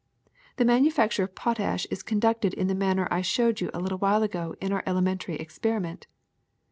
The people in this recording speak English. ^^The manufacture of potash is conducted in the manner I showed you a little while ago in our elemen tary experiment.